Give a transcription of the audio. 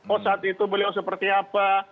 oh saat itu beliau seperti apa